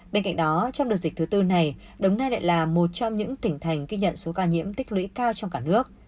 bên cạnh đó trong đợt dịch thứ tư này đồng nai lại là một trong những tỉnh thành ghi nhận số ca nhiễm tích lũy cao trong cả nước